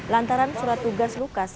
lantaran surat tugas lukas